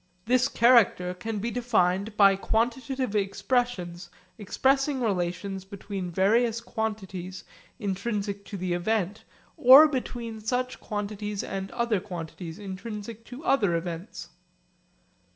This character can be defined by quantitative expressions expressing relations between various quantities intrinsic to the event or between such quantities and other quantities intrinsic to other events.